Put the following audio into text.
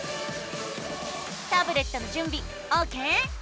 タブレットのじゅんびオーケー？